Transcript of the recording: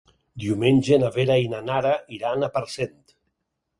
Diumenge na Vera i na Nara iran a Parcent.